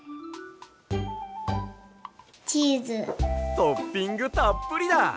トッピングたっぷりだ！